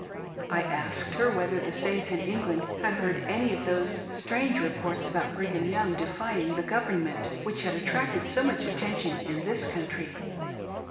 I asked her whether the Saints in England had heard any of those strange reports about Brigham Young defying the Government, which had attracted so much attention in this Country.